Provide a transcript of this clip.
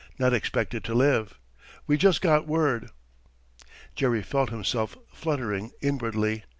Not expected to live. We just got word." Jerry felt himself fluttering inwardly.